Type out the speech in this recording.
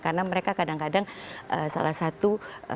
karena mereka kadang kadang salah satu